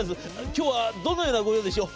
今日はどのような御用でしょう。」